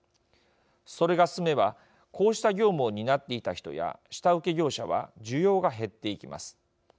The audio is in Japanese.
それが進めばこうした業務を担っていた人や下請け業者は需要が減っていきます。